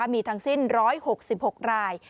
มีทั้งสิ้น๑๖๖ราย